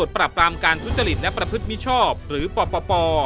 ปรับปรามการทุจริตและประพฤติมิชชอบหรือปป